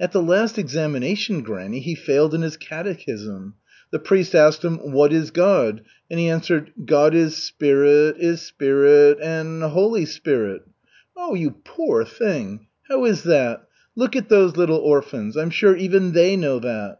"At the last examination, granny, he failed in his catechism. The priest asked him, 'What is God?' and he answered, 'God is Spirit is Spirit and Holy Spirit.'" "Oh, you poor thing! How is that? Look at those little orphans. I'm sure even they know that."